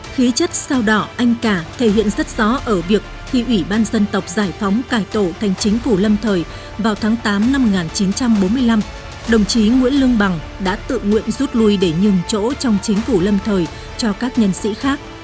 khí chất sao đỏ anh cà thể hiện rất rõ ở việc khi ủy ban dân tộc giải phóng cải tổ thành chính phủ lâm thời vào tháng tám năm một nghìn chín trăm bốn mươi năm đồng chí nguyễn lương bằng đã tự nguyện rút lui để nhường chỗ trong chính phủ lâm thời cho các nhân sĩ khác